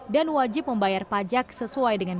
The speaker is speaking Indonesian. dan wajib membayar pajak sesuai dengan